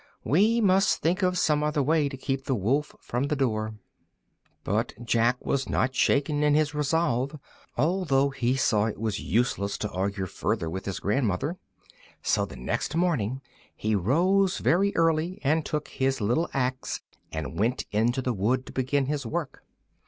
We must think of some other way to keep the wolf from the door." But Jack was not shaken in his resolve, although he saw it was useless to argue further with his grandmother. So the next morning he rose very early and took his little axe and went into the wood to begin his work.